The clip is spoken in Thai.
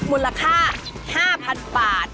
มูลค่า๕๐๐๐บาท